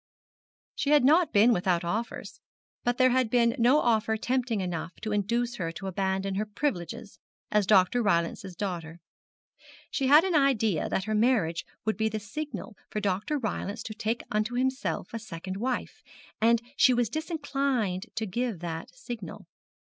She had not been without offers, but there had been no offer tempting enough to induce her to abandon her privileges as Dr. Rylance's daughter. She had an idea that her marriage would be the signal for Dr. Rylance to take unto himself a second wife; and she was disinclined to give that signal.